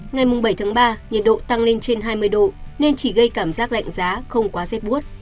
ngày bảy tháng ba nhiệt độ tăng lên trên hai mươi độ nên chỉ gây cảm giác lạnh giá không quá rét buốt